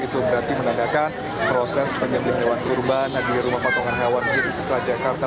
itu berarti menandakan proses penyembelian hewan kurban di rumah potongan hewan di istiqlal jakarta